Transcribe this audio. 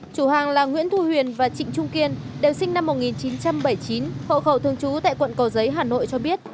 chủ hàng là nguyễn thu huyền và trịnh trung kiên đều sinh năm một nghìn chín trăm bảy mươi chín hộ khẩu thường trú tại quận cầu giấy hà nội cho biết